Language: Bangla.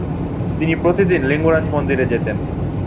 তিনি প্রতিদিন লিঙ্গরাজ মন্দিরে যেতেন।